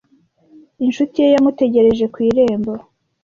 Inshuti ye yamutegereje ku irembo.